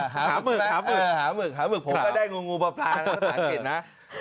หามึกหามึกหาหมึกพวกก็ได้งูประพาทธาตุอังกฤษนะ